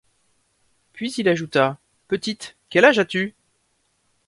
Puis il ajouta: — Petite, quel âge as-tu?